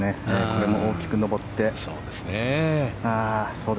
これも大きく上って。